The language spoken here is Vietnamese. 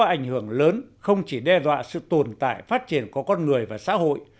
ảnh hưởng lớn không chỉ đe dọa sự tồn tại phát triển của con người và xã hội